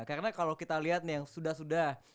karena kalau kita lihat nih yang sudah sudah